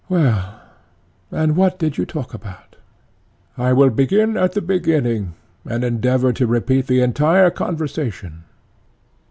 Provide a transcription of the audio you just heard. ECHECRATES: Well, and what did you talk about? PHAEDO: I will begin at the beginning, and endeavour to repeat the entire conversation.